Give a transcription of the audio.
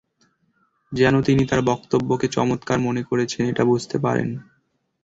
যেন তিনি তার বক্তব্যকে চমৎকার মনে করেছেন এটা বুঝতে পারেন।